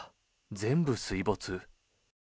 全部水没。